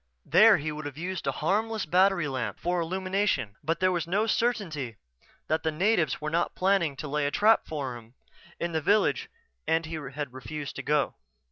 There he would have used a harmless battery lamp for illumination ... but there was no certainty that the natives were not planning to lay a trap for him in the village and he had refused to go.